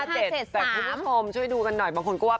แต่คุณผู้ชมช่วยดูกันหน่อยบางคนก็ว่า